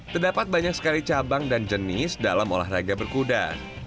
terdapat banyak sekali cabang dan jenis dalam olahraga berkuda